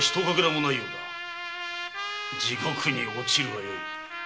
地獄に堕ちるがよい。